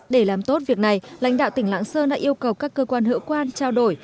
để làm tốt việc này lãnh đạo tỉnh lạng sơn đã yêu cầu các cơ quan hữu quan trao đổi